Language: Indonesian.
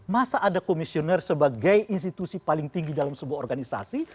masa ada komisioner sebagai institusi paling tinggi dalam sebuah organisasi